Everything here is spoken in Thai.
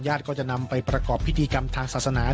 ก็จะนำไปประกอบพิธีกรรมทางศาสนา